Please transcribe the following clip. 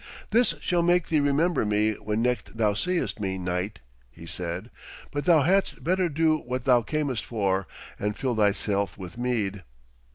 'This shall make thee remember me when next thou seest me, knight,' he said. 'But thou hadst better do what thou camest for, and fill thyself with mead.'